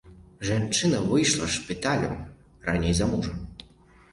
Жанчына выйшла з шпіталя раней за мужа.